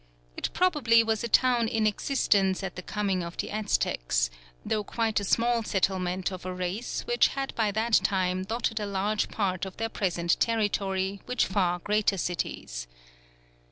It probably was a town in existence at the coming of the Aztecs, though quite a small settlement of a race which had by that time dotted a large part of their present territory with far greater cities.